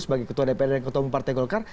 sebagai ketua dpr dan ketua umum partai golkar